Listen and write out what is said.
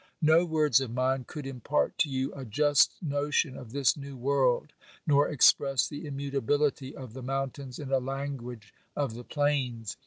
No words of mine could impart to you a just notion of this new world, nor express the immutability of the mountains in a language of the plains.